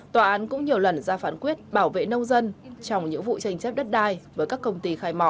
tòa án cũng nhiều lần ra phán quyết bảo vệ nông dân trong những vụ tranh chấp đất đai với các công ty khai mỏ